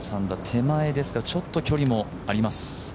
手前ですからちょっと距離もあります。